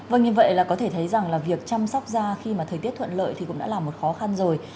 vâng như vậy là có thể thấy rằng là việc chăm sóc da khi mà thời tiết thuận lợi thì cũng đã là một khó khăn rồi